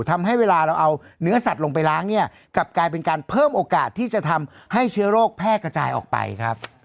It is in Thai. ทำให้เวลาเราเอาเนื้อสัตว์ลงไปล้างเนี่ยกลับกลายเป็นการเพิ่มโอกาสที่จะทำให้เชื้อโรคแพร่กระจายออกไปครับ